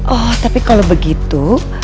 oh tapi kalau begitu